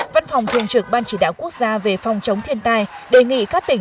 văn phòng thường trực ban chỉ đạo quốc gia về phòng chống thiên tai đề nghị các tỉnh